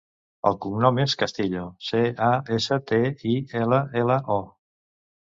El cognom és Castillo: ce, a, essa, te, i, ela, ela, o.